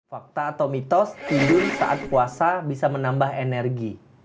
fakta atau mitos tidur saat puasa bisa menambah energi